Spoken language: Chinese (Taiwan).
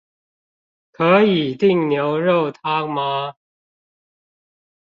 可以訂牛肉湯嗎？